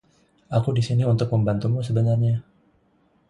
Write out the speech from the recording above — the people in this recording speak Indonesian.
Aku di sini untuk membantumu sebenarnya.